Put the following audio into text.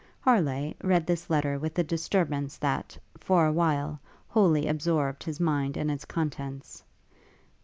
Harleigh read this letter with a disturbance that, for a while, wholly absorbed his mind in its contents.